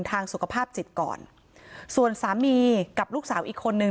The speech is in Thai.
ทางสุขภาพจิตก่อนส่วนสามีกับลูกสาวอีกคนนึง